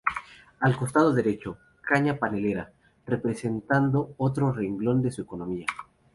Al costado derecho, caña panelera, representando otro renglón de su economía.